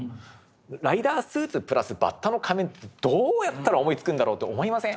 ライダースーツプラスバッタの仮面ってどうやったら思いつくんだろうと思いません？